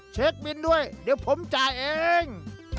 เช็คบินด้วยเดี๋ยวผมจ่ายเอง